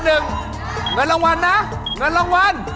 เงินรางวัลนะเงินรางวัล